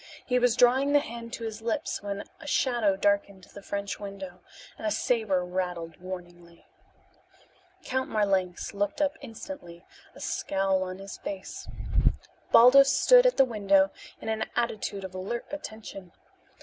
He was drawing the hand to his lips when a shadow darkened the French window, and a saber rattled warningly. Count Marlanx looked up instantly, a scowl on his face. Baldos stood at the window in an attitude of alert attention.